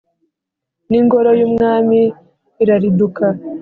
n’ingoro y’Umwami irariduka